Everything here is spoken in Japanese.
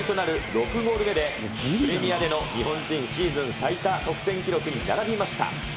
６ゴール目で、プレミアでの日本人シーズン最多得点記録に並びました。